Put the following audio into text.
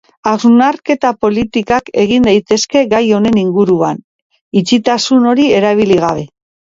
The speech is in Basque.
Hausnarketa politak egin daitezke gai honen inguruan itxitasun hori erabili gabe.